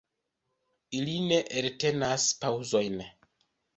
Ili ne eltenas paŭzojn.